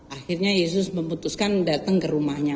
akhirnya yesus memutuskan datang ke rumahnya